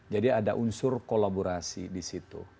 jadi ada unsur kolaborasi di situ